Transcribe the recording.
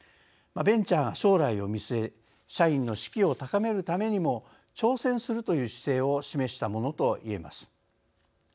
ベンチャーが将来を見据え社員の士気を高めるためにも挑戦するという姿勢を示したものといえます。